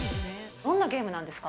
どんなゲームなんですか？